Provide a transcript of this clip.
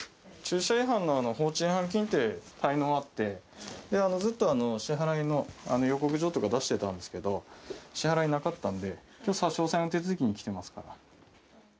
駐車違反の放置違反金って滞納あって、ずっと支払いの予告状とか出してたんですけど、支払いなかったんで、きょう、差し押さえの手続きに来ていますから。